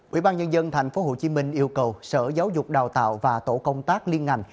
ủy ban nhân dân tp hcm yêu cầu sở giáo dục đào tạo và tổ công tác liên ngành